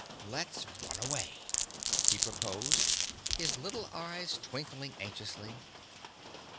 Let's run away!" he proposed, his little eyes twinkling anxiously.